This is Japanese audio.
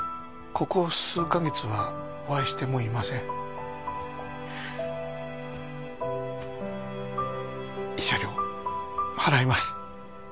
ここ数カ月はお会いしてもいません慰謝料払います